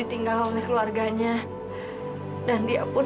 enak banget rasanya weh pahit